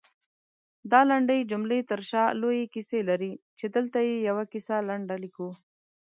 دالنډې جملې ترشا لويې کيسې لري، چې دلته يې يوه کيسه لنډه ليکو